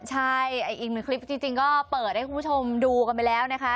ใช่อีกหนึ่งคลิปจริงก็เปิดให้คุณผู้ชมดูกันไปแล้วนะคะ